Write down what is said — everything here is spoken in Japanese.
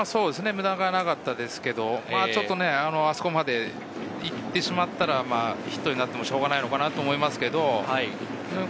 無駄はなかったんですけれど、あそこまでいってしまったらヒットになってもしょうがないのかなと思います。